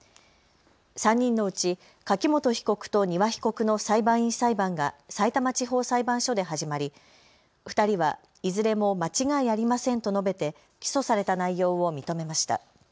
３人のうち柿本被告と丹羽被告の裁判員裁判がさいたま地方裁判所で始まり、２人はいずれも間違いありませんと述べて起訴された内容を認めました。